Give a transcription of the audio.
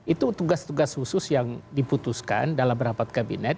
itu tugas tugas khusus yang diputuskan dalam rapat kabinet